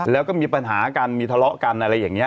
แล้วก็มีปัญหากันมีทะเลาะกันอะไรอย่างนี้